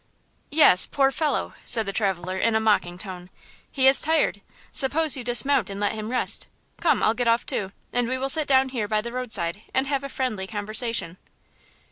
"Yes, poor fellow," said the traveler, in a mocking tone, "he is tired; suppose you dismount and let him rest. Come, I'll get off, too, and we will sit down here by the roadside and have a friendly conversation."